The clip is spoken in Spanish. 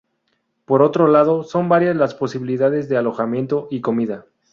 Por otro lado, son varias las posibilidades de alojamiento y comida.